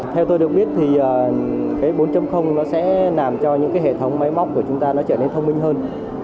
theo tôi được biết thì cái bốn nó sẽ làm cho những cái hệ thống máy móc của chúng ta nó trở nên thông minh hơn